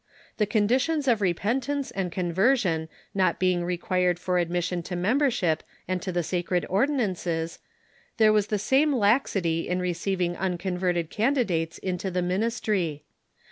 The conditions of repentance and conversion not being required for admission to membership and to the sacred ordinances, there was the same laxity in receiving unconverted candidates into the ministry.